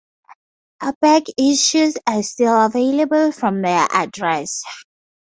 Back issues are still available from their address.